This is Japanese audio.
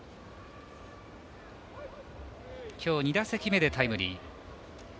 きょう２打席目でタイムリー。